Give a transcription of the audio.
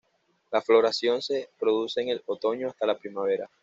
La floración se produce en el otoño hasta la primavera.